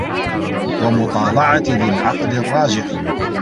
وَمُطَالَعَةِ ذِي الْعَقْلِ الرَّاجِحِ